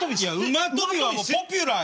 馬跳びはもうポピュラーよ。